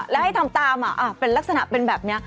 แล้วให้ทำตามเป็นลักษณะเป็นแบบนี้